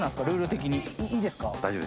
ルール的にいいですか？